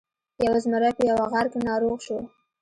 یو زمری په یوه غار کې ناروغ شو.